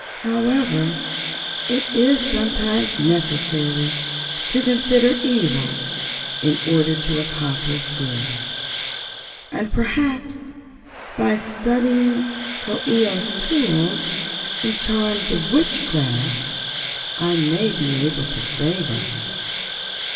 However, it is sometimes necessary to consider evil in order to accomplish good, and perhaps by studying Coo ee oh's tools and charms of witchcraft I may be able to save us.